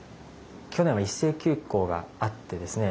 去年は一斉休校があってですね